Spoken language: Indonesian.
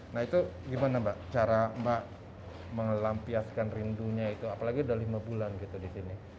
nah itu gimana mbak cara mbak mengelampiaskan rindunya itu apalagi udah lima bulan gitu di sini